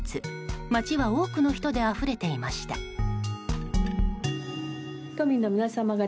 街は多くの人であふれていました。